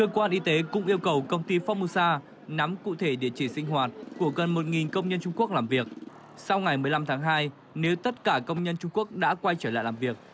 sau ngày một mươi năm tháng hai nếu tất cả công nhân trung quốc đã quay trở lại làm việc